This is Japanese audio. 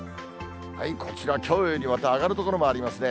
こちら、きょうよりまた上がる所もありますね。